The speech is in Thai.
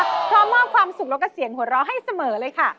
พร้อมมอบความสุขแล้วก็เสียงหัวเราะให้เสมอเลยค่ะ